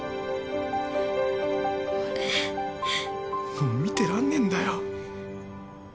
もう見てらんねえんだよ。